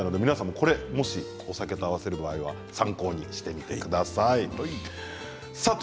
もしお酒と合わせる場合は参考にしてみてください。